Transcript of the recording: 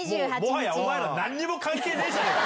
もはや、お前らなんにも関係ねえじゃねえか。